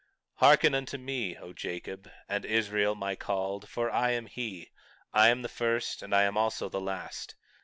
20:12 Hearken unto me, O Jacob, and Israel my called, for I am he; I am the first, and I am also the last.